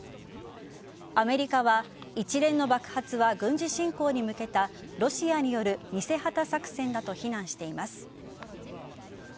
アメリカは一連の爆発は軍事侵攻に向けたロシアによる偽旗作戦だと非難しています。